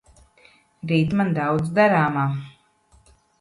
Rīt man daudz darāmā.